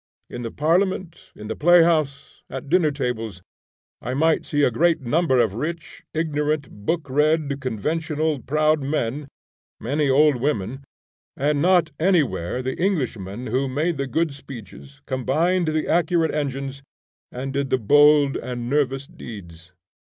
In the parliament, in the play house, at dinner tables, I might see a great number of rich, ignorant, book read, conventional, proud men, many old women, and not anywhere the Englishman who made the good speeches, combined the accurate engines, and did the bold and nervous deeds.